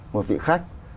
một vị khách